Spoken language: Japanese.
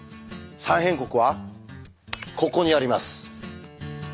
「三辺国」はここにあります。